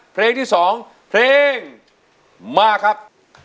เพลงที่๒เพลงมาครับ